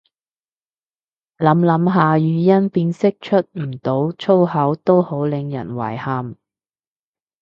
諗諗下語音辨識出唔到粗口都好令人遺憾